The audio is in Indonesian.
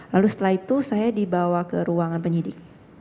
lalu setelah itu saya dibawa ke ruangan penyidik